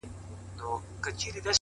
مـــــه كـــــوه او مـــه اشـــنـــا _